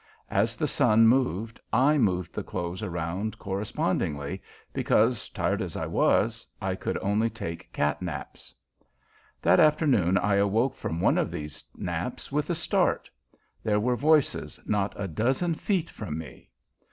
As the sun moved I moved the clothes around correspondingly, because, tired as I was, I could take only cat naps. That afternoon I awoke from one of these naps with a start. There were voices not a dozen feet from me!